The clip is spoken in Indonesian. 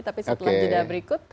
tapi setelah jeda berikut